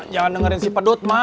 jangan dengerin si pedut mah